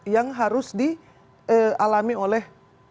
yang harus dialami oleh